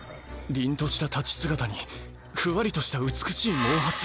凛とした立ち姿にふわりとした美しい毛髪。